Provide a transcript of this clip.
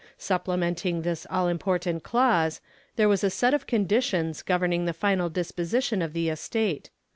Supplementing this all important clause there was a set of conditions governing the final disposition of the estate.